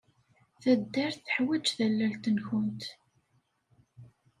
Taddart teḥwaj tallalt-nwent.